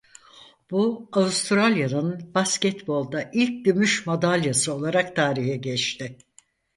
Bu Avustralya'nın basketbolda ilk gümüş madalyası olarak tarihe geçti.